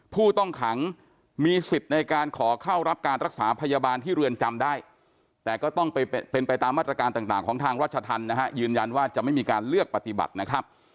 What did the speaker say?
ผู้ต้องขังมีสิทธิ์ในการขอเข้ารับการรักษาพยาบาลที่เรือนจำได้แต่ก็ต้องเป็นไปตามมาตรการต่างของทางรัชธรรมนะฮะยืนยันว่าจะไม่มีการเลือกปฏิบัตินะครับ